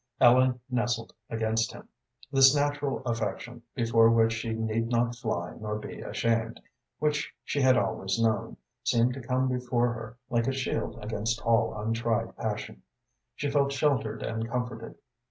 Ellen nestled against him. This natural affection, before which she need not fly nor be ashamed, which she had always known, seemed to come before her like a shield against all untried passion. She felt sheltered and comforted.